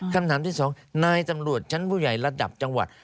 คำถามที่สองนายตำรวจชั้นผู้ใหญ่ระดับจังหวัด